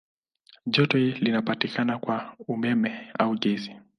Joto linapatikana kwa umeme au gesi.